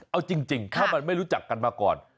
เอาจริงถ้ามันไม่รู้จักกันมาก่อน